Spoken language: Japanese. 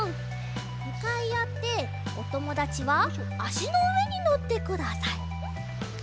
むかいあっておともだちはあしのうえにのってください。